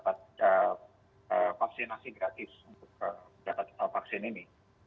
bahwa anda mendapat vaksinasi gratis untuk mendapatkan vaksin ini